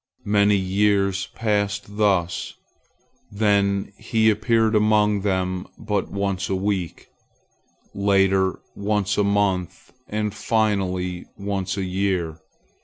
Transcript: Many years passed thus, then he appeared among them but once a week, later, once a month, and, finally, once a year.